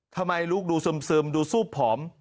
ทำไมลูกดูซึมดูซูบผอม